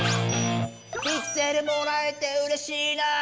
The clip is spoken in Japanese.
「ピクセルもらえてうれしいな」